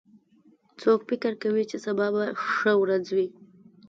څوک فکر کوي چې سبا به ښه ورځ وي